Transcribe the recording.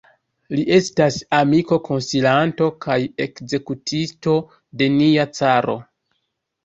Li estas amiko, konsilanto kaj ekzekutisto de nia caro.